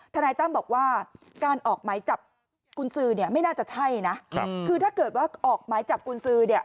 นายตั้มบอกว่าการออกหมายจับกุญสือเนี่ยไม่น่าจะใช่นะคือถ้าเกิดว่าออกหมายจับกุญสือเนี่ย